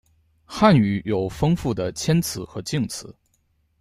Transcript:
汉语有丰富的谦辞和敬辞。